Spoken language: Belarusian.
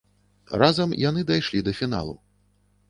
Разам яны дайшлі да фіналу.